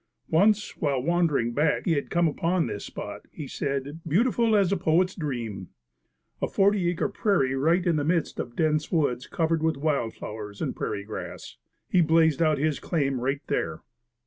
Once, while wandering back, he had come upon this spot, he said, "Beautiful as a poet's dream." A forty acre prairie right in the midst of dense woods covered with wild flowers and prairie grass. He blazed out his claim right there.